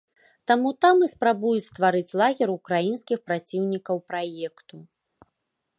Таму там і спрабуюць стварыць лагер украінскіх праціўнікаў праекту.